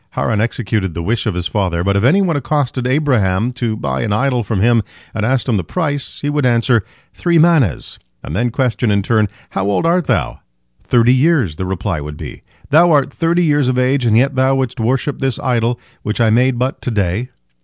Haran executed the wish of his father, but if any one accosted Abraham, to buy an idol from him, and asked him the price, he would answer, "Three manehs," and then question in turn, "How old art thou?" "Thirty years," the reply would be. "Thou art thirty years of age, and yet thou wouldst worship this idol which I made but to day?"